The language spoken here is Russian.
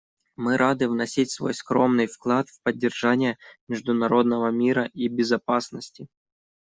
Мы рады вносить свой скромный вклад в поддержание международного мира и безопасности.